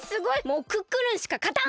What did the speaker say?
もうクックルンしかかたん！